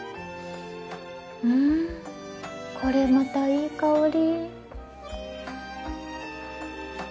うんこれまたいい香り。